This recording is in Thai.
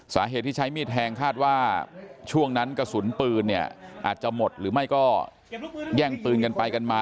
สาเหตุที่ใช้มีดแทงคาดว่าช่วงนั้นกระสุนปืนเนี่ยอาจจะหมดหรือไม่ก็แย่งปืนกันไปกันมา